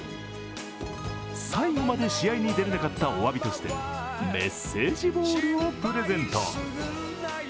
最後まで試合に出れなかったお詫びとして、メッセージボールをプレゼント。